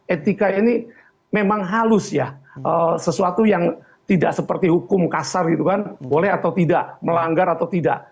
etika ini memang halus ya sesuatu yang tidak seperti hukum kasar gitu kan boleh atau tidak melanggar atau tidak